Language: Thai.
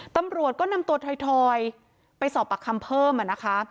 ตำรวจก็นำตัวทอยไปสอบปากคำเพิ่มนะคะ